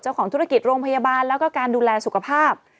เจ้าของธุรกิจโรงพยาบาลแล้วก็การดูแลสุขภาพ